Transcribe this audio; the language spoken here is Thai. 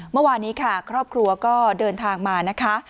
เมื่อวานนี้ค่ะครอบครัวก็เดินทางมานะคะ